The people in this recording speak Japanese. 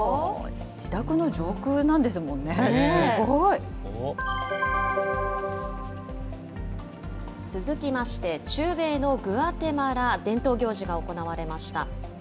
自宅の上空なんですもんね、すごい。続きまして、中米のグアテマラ、伝統行事が行われました。